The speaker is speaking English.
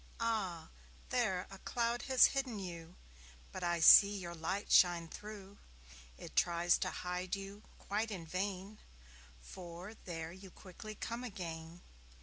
Ah! there, a cloud has hidden you! But I can see your light shine thro'; It tries to hide you quite in vain, For there you quickly come again!